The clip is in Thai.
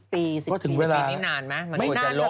๑๐ปีนี่นานไหม